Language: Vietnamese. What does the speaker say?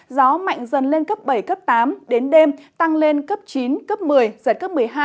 gió mạnh dần lên cấp bảy cấp tám đến đêm tăng lên cấp chín cấp một mươi giật cấp một mươi hai